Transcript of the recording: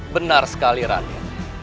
benar sekali rania